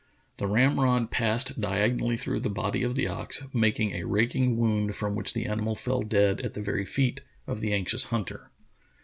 The ramrod passed di agonally through the body of the ox, making a raking wound from which the animal fell dead at the very feet of the anxious hunter.